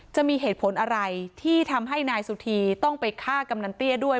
จะมีเหตุผลอะไรที่ทำให้นายสุธีต้องไปฆ่ากำนันเตี้ยด้วย